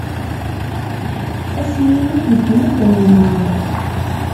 Ad as-yini beggen-d lameṛ.